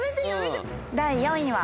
第４位は。